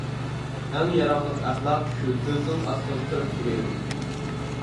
ئەڭ ياراملىق ئەخلاق شۇ سۆزنىڭ ئاستىغا كىرىپ تۈگەيدۇ.